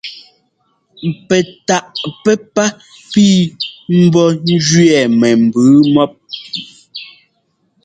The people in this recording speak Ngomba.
Pɛ taʼ pɛ́pá pii mbɔ́ ɛ́njʉɛ mɛ mbʉʉ mɔ́p.